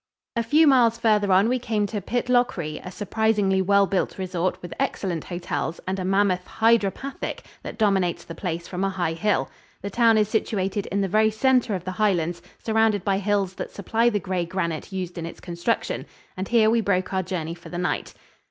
A few miles farther on we came to Pitlochry, a surprisingly well built resort with excellent hotels and a mammoth "Hydropathic" that dominates the place from a high hill. The town is situated in the very center of the Highlands, surrounded by hills that supply the gray granite used in its construction; and here we broke our journey for the night.